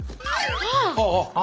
ああ。